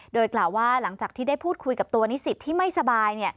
โดยกล่าวว่าหลังจากที่ได้พูดคุยกับตัวนิสิตที่ไม่สบาย